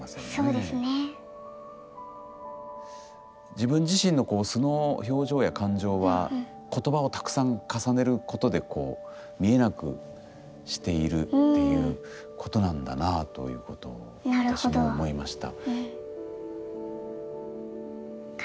自分自身のこう素の表情や感情は言葉をたくさん重ねることでこう見えなくしているっていうことなんだなあということを私も思いました。